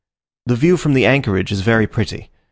The view from the anchorage is very pretty.